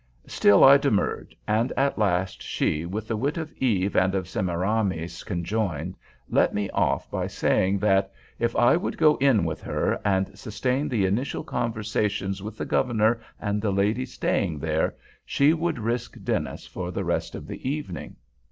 Still I demurred, and at last she, with the wit of Eve and of Semiramis conjoined, let me off by saying that, if I would go in with her, and sustain the initial conversations with the Governor and the ladies staying there, she would risk Dennis for the rest of the evening.